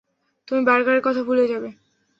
তুমি বার্গারের কথা ভুলে যাবে।